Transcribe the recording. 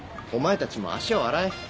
お前たちも足を洗え。